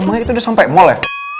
emangnya itu udah sampai mall ya